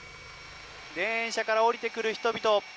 電車から降りてくる人々。